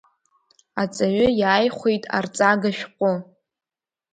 Аҵаҩы иааихәеит арҵага шәҟәы…